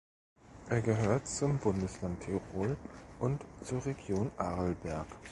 Er gehört zum Bundesland Tirol und zur Region Arlberg.